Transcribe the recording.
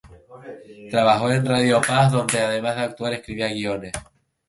Trabajó en Radio Paz, donde además de actuar, escribía guiones.